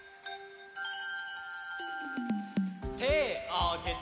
てあげて！